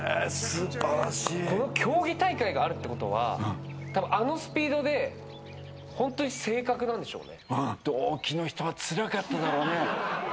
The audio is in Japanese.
この競技大会があるってことはあのスピードで本当に性格なんでしょうね。